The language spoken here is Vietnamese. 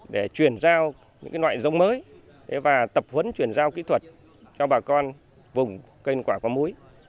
để truyền giao những loại dông mới và tập huấn truyền giao kỹ thuật cho bà con vùng cây ăn quả có mối